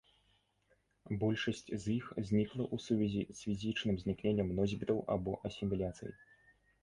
Большасць з іх знікла ў сувязі з фізічным знікненнем носьбітаў або асіміляцыяй.